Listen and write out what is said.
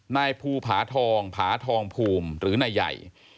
นายภูผาทองผาทองภูมิหรือนายใหญ่